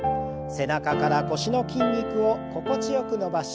背中から腰の筋肉を心地よく伸ばし